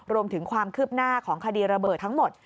รวมถึงความคืบหน้าของคดีระเบิดทั้งหมด